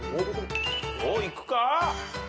おっいくか？